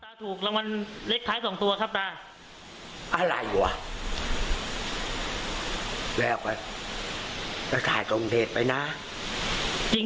อ่ะมาอย่างไงว้นี้